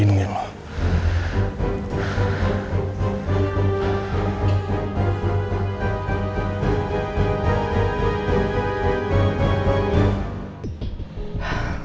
saya tuh ke betapa nih